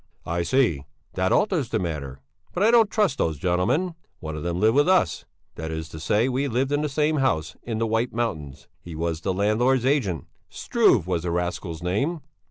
"I see! That alters the matter. But I don't trust those gentlemen; one of them lived with us, that is to say, we lived in the same house, in the White Mountains; he was the landlord's agent Struve was the rascal's name."